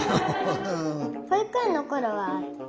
ほいくえんのころはあった。